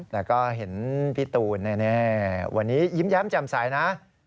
แล้วก็เห็นพี่ตูนแน่วันนี้ยิ้มแย้มแจ่มใสนะ